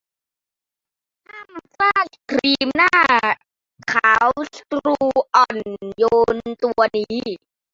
ห้ามพลาดครีมหน้าขาวสูตรอ่อนโยนตัวนี้